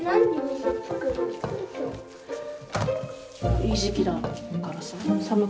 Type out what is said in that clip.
いい時期だからさ寒く